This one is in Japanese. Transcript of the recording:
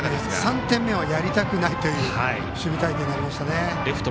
３点目をやりたくないという守備隊形になりました。